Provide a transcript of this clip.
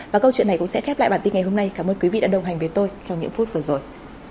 và câu chuyện này cũng sẽ khép lại bản tin ngày hôm nay cảm ơn quý vị đã đồng hành với tôi trong những phút vừa rồi